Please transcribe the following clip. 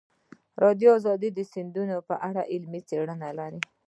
افغانستان د سیندونه په اړه علمي څېړنې لري.